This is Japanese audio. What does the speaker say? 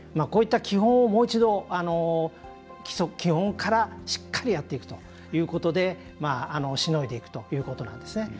こういった基本をもう一度基礎、基本からしっかりやっていくということでしのいでいくということなんです。